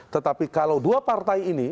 tetapi kalau dua partai ini